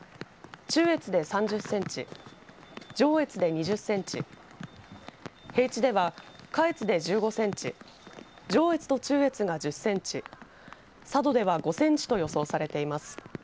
中越で３０センチ上越で２０センチ平地では下越で１５センチ上越と中越が１０センチ佐渡では５センチと予想されています。